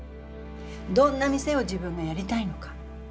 どんな店を自分がやりたいのか。